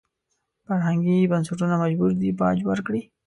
فرهنګي بنسټونه مجبور دي باج ورکړي.